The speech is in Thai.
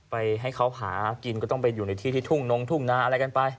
ให้เขาหากินก็ต้องไปอยู่ในที่ที่ทุ่งนงทุ่งนาอะไรกันไป